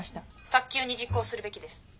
早急に実行するべきです。